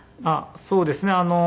あっそうですね。